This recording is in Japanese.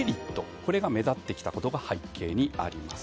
これが目立ってきたことが背景にあります。